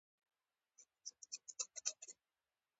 دا د بدخشان یوه پرمختللې ولسوالي ده